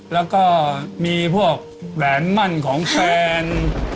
แล้วก็มีพวกแหวนมั่นของแฟน